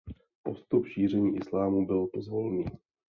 Postup šíření islámu byl pozvolný.